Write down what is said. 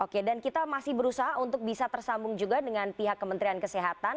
oke dan kita masih berusaha untuk bisa tersambung juga dengan pihak kementerian kesehatan